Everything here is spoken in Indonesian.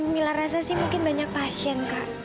mila rasa sih mungkin banyak pasien kak